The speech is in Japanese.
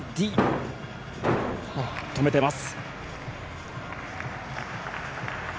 止めてます。